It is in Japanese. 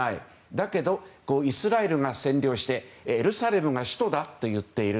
だけどイスラエルが占領してエルサレムが首都だって言っている。